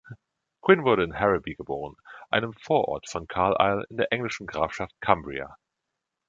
Quinn wurde in Harraby geboren, einem Vorort von Carlisle in der englischen Grafschaft Cumbria.